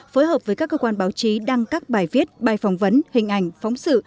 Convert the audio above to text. phối hợp với các cơ quan báo chí đăng các bài viết bài phỏng vấn hình ảnh phóng sự